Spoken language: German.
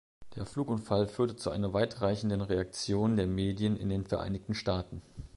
Der Flugunfall führte zu einer weitreichenden Reaktion der Medien in den Vereinigten Staaten.